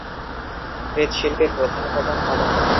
মৃৎশিল্পের প্রধান উপাদান কাদামাটি।